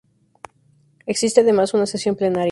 Existe además una sesión plenaria.